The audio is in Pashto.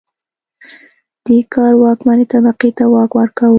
دې کار واکمنې طبقې ته واک ورکاوه